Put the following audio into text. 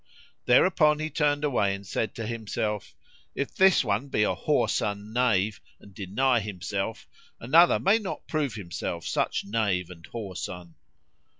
Thereupon he turned away and said to himself, "If this one be a whoreson knave and deny himself, another may not prove himself such knave and whoreson."